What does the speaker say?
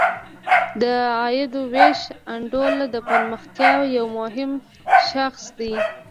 د عاید ویش انډول د پرمختیا یو مهم شاخص دی.